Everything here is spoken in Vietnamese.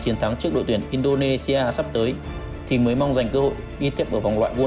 chiến thắng trước đội tuyển indonesia sắp tới thì mới mong giành cơ hội y tiếp ở vòng loại world cup hai nghìn hai mươi sáu